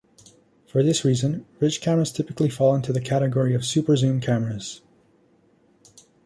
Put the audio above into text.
For this reason, bridge cameras typically fall into the category of "superzoom cameras".